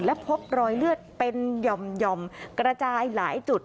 และพบรอยเลือดเป็นหย่อมกระจายหลายจุด